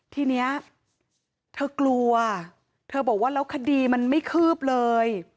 ทีนี้เธอกลัวเธอบอกว่าแล้วคดีมันไม่คืบเลย